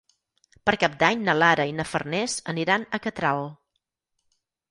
Per Cap d'Any na Lara i na Farners aniran a Catral.